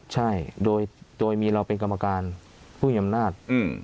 ใช่โดยมีเราเป็นกรรมการผู้มีอำนาจ